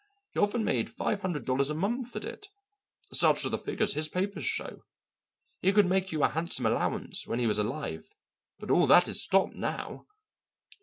He often made five hundred dollars a month at it. Such are the figures his papers show. He could make you a handsome allowance while he was alive, but all that is stopped now!"